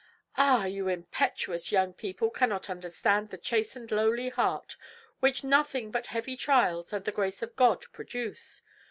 "Ah, you impetuous young people cannot understand the chastened lowly heart, which nothing but heavy trials and the grace of God produce.